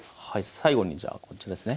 最後にじゃあこちらですね。